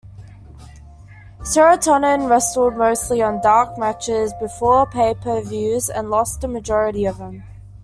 Serotonin wrestled mostly on dark matches before pay-per-views and lost the majority of them.